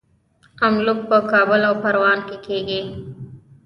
املوک په کابل او پروان کې کیږي.